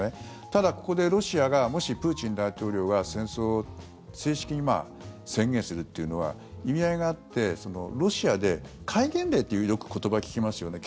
ただ、ここでロシアがもし、プーチン大統領が戦争を正式に宣言するというのは意味合いがあってロシアで戒厳令という言葉をよく聞きますよね。